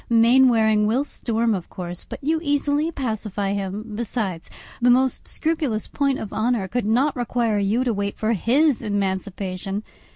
Mainwaring will storm of course, but you easily pacify him; besides, the most scrupulous point of honour could not require you to wait for his emancipation.